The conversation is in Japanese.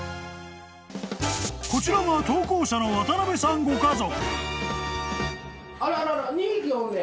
［こちらが投稿者の渡辺さんご家族］